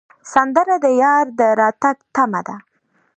سندره د یار د راتګ تمه ده